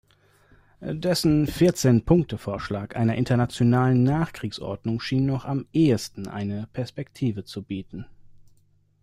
Dessen Vierzehn-Punkte-Vorschlag einer internationalen Nachkriegsordnung schien noch am ehesten eine Perspektive zu bieten.